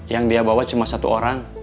yang dia bawa cuma satu orang